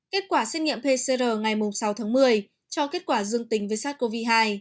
kết quả xét nghiệm pcr ngày sáu tháng một mươi cho kết quả dương tính với sars cov hai